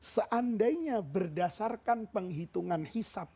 seandainya berdasarkan penghitungan hisap